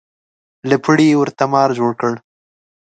له پړي یې ورته مار جوړ کړ.